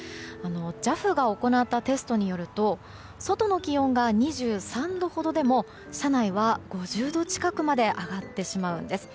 ＪＡＦが行ったテストによると外の気温が２３度ほどでも車内は５０度近くまで上がってしまうんです。